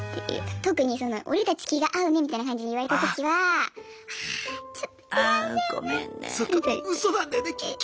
特に「オレたち気が合うね」みたいな感じで言われた時はあちょっと違うんだよなって。